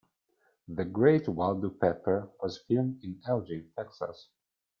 "The Great Waldo Pepper" was filmed in Elgin, Texas.